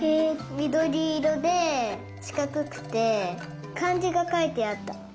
みどりいろでしかくくてかんじがかいてあった。